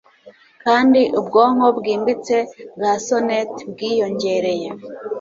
Kandi ubwonkobwimbitse bwa sonnet bwiyongereye